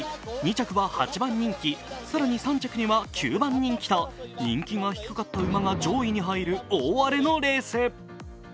２着は８番人気、更に３着には９番人気と人気が低かった馬が上位に入る大荒れのレース。